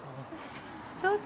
どうぞ。